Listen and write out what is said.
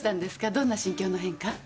どんな心境の変化？